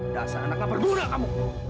dasar anaknya berguna kamu